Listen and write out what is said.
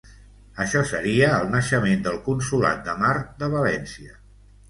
Això seria el naixement del Consolat de Mar de València.